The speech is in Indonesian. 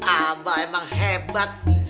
abah emang hebat